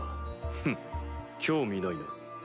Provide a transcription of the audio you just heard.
フッ興味ないな。